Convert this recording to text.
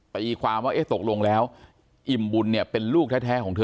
ตีความว่าเอ๊ะตกลงแล้วอิ่มบุญเนี่ยเป็นลูกแท้ของเธอ